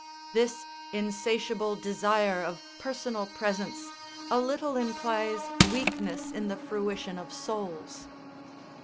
This insatiable desire of personal presence a little implies weakness in the fruition of souls.